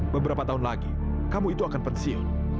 beberapa tahun lagi kamu itu akan pensiun